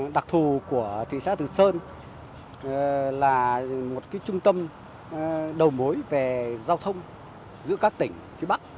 đặc thù của thị xã từ sơn là một trung tâm đầu mối về giao thông giữa các tỉnh phía bắc